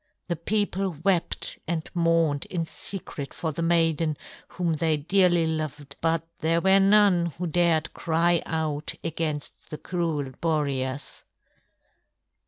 The people wept and mourned in secret for the maiden whom they dearly loved, but there were none who dared cry out against the cruel Boreas.